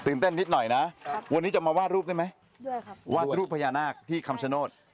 เต้นนิดหน่อยนะวันนี้จะมาวาดรูปได้ไหมวาดรูปพญานาคที่คำชโนธ